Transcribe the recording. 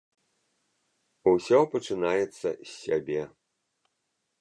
Усё пачынаецца з сябе.